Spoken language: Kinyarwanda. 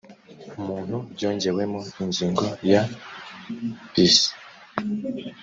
muntu ryongewemo ingingo ya bis